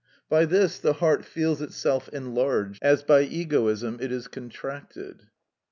By this the heart feels itself enlarged, as by egoism it is contracted.